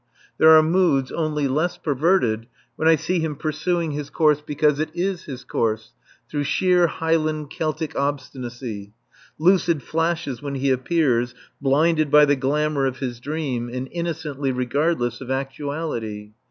There are moods, only less perverted, when I see him pursuing his course because it is his course, through sheer Highland Celtic obstinacy; lucid flashes when he appears, blinded by the glamour of his dream, and innocently regardless of actuality.